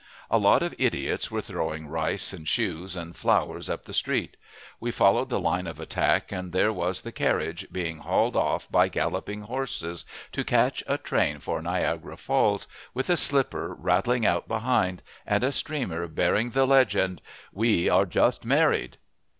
A lot of idiots were throwing rice and shoes and flowers up the street. We followed the line of attack and there was the carriage, being hauled off by galloping horses to catch a train for Niagara Falls, with a slipper rattling out behind, and a streamer bearing the legend: WE ARE JUST MARRIED!